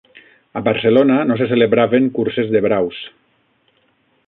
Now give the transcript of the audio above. A Barcelona no se celebraven curses de braus